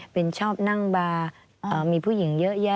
เป็นชอบนั่งบาร์มีผู้หญิงเยอะแยะ